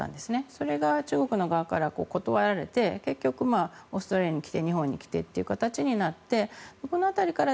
それが中国の側から断られて結局、オーストラリアに来て日本に来てという形になってこの辺りから